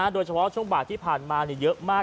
โดยเฉพาะช่วงบ่ายที่ผ่านมาเยอะมาก